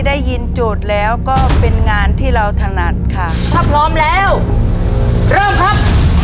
โจทย์แล้วก็เป็นงานที่เราถนัดค่ะถ้าพร้อมแล้วเริ่มครับ